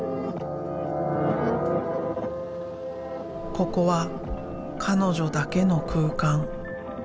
ここは彼女だけの空間。